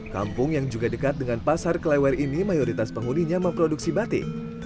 kampung yang juga dekat dengan pasar kelewer ini mayoritas penghuninya memproduksi batik